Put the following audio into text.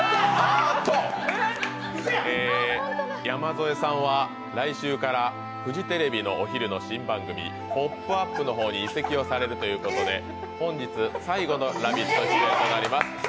山添さんは、来週からフジテレビのお昼の新番組「ポップＵＰ！」の方に移籍をされるということで、本日最後の「ラヴィット！」となります。